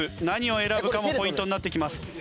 何を選ぶかもポイントになってきます。